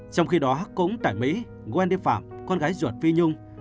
trong khi đó cũng tại mỹ wendy pham con gái ruột phi nhung